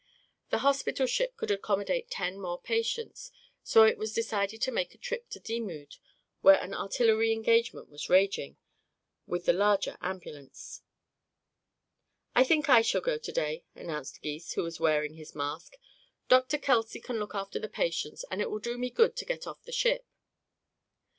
The hospital ship could accommodate ten more patients, so it was decided to make a trip to Dixmude, where an artillery engagement was raging, with the larger ambulance. "I think I shall go to day," announced Gys, who was wearing his mask. "Dr. Kelsey can look after the patients and it will do me good to get off the ship."